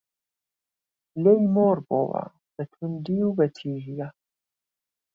لێی مۆڕ بۆوە بە توندی و بە تیژییە